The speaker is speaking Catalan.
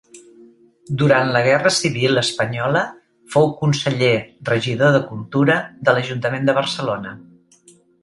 Durant la guerra civil espanyola fou conseller-regidor de Cultura de l'Ajuntament de Barcelona.